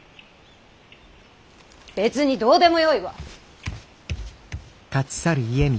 別にどうでもよいわ。